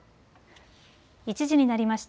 １時になりました。